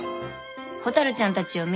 蛍ちゃんたちを見てて。